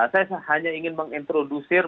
saya hanya ingin mengintroducer